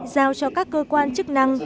giao cho các cơ quan chức năng